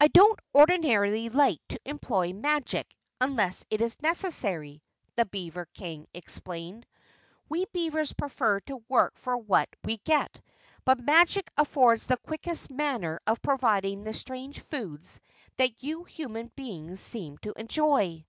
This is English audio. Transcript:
"I don't ordinarily like to employ magic, unless it is necessary," the beaver King explained. "We beavers prefer to work for what we get but magic affords the quickest manner of providing the strange foods that you human beings seem to enjoy."